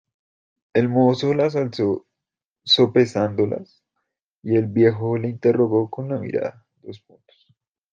el mozo las alzó sopesándolas, y el viejo le interrogó con la mirada: